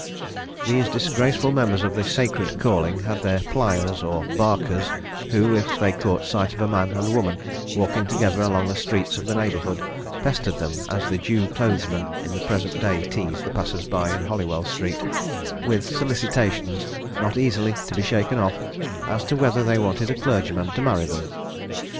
These disgraceful members of the sacred calling had their "plyers," or "barkers," who, if they caught sight of a man and woman walking together along the streets of the neighbourhood, pestered them as the Jew clothesmen in the present day tease the passers by in Holywell Street, with solicitations, not easily to be shaken off, as to whether they wanted a clergyman to marry them.